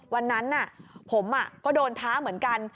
วันนั้นผมก็โดนท้าเหมือนกัน